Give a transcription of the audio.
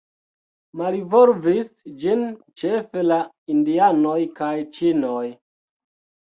Malvolvis ĝin ĉefe la Indianoj kaj Ĉinoj.